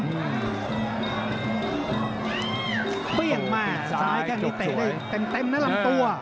เปลี่ยงมาซ้ายแก้งที่เตะได้เต็มนะลำตัว